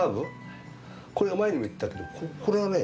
これが前にも言ったけどこれがね